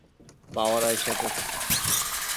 পাওয়ার আইয়া পড়ছে!